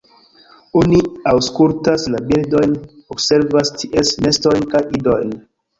Oni aŭskultas la birdojn, observas ties nestojn kaj idojn.